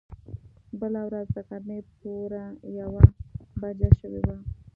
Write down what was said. بله ورځ د غرمې پوره يوه بجه شوې وه.